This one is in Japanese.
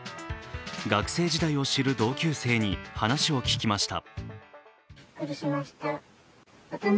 学生時代を知る同級生に話を聞きました。